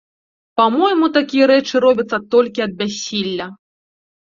Па-мойму, такія рэчы робяцца толькі ад бяссілля.